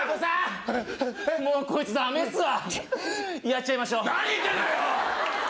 やっちゃいましょう。